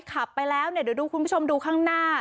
ขับไปแล้วเนี่ยเดี๋ยวดูคุณผู้ชมดูข้างหน้า